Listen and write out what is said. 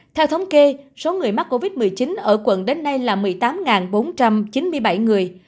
theo thống kê số người mắc covid một mươi chín ở quận đến nay là một mươi tám bốn trăm chín mươi bảy người